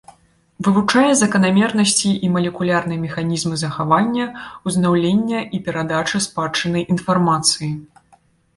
Вывучае заканамернасці і малекулярныя механізмы захавання, узнаўлення і перадачы спадчыннай інфармацыі.